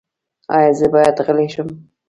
ایا زه باید غلی شم؟